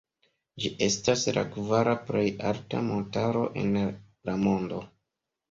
Ĝi estas la kvara plej alta montaro en la mondo.